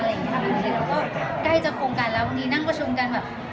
แล้วก็ใกล้จะคงกันแล้วบางทีนั่งประชุมกันแบบ